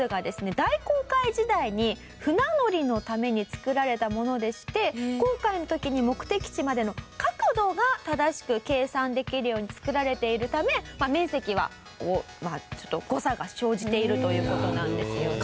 大航海時代に船乗りのために作られたものでして航海の時に目的地までの角度が正しく計算できるように作られているため面積はちょっと誤差が生じているという事なんですよね。